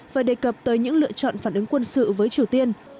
và đề cập tới những lựa chọn phản ứng quân sự với triều tiên